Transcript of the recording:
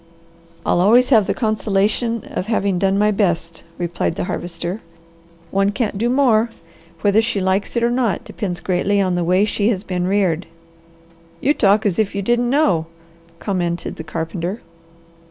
"I'll always have the consolation of having done my best," replied the Harvester. "One can't do more! Whether she likes it or not depends greatly on the way she has been reared." "You talk as if you didn't know," commented the carpenter.